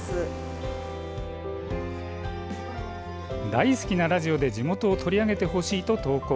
大好きなラジオで地元を取り上げてほしいと投稿。